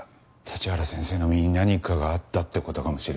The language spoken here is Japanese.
立原先生の身に何かがあったって事かもしれないし。